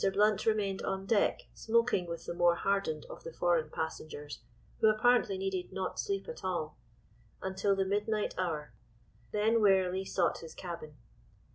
Blount remained on deck smoking with the more hardened of the foreign passengers, who apparently needed not sleep at all, until the midnight hour; then wearily sought his cabin.